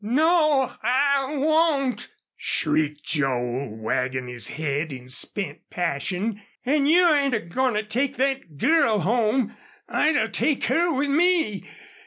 "No, I won't!" shrieked Joel, wagging his head in spent passion. "An' you ain't a goin' to take thet girl home.... I'll take her with me....